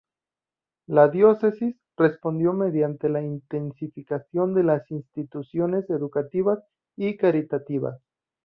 La diócesis respondió mediante la intensificación de las instituciones educativas y caritativas.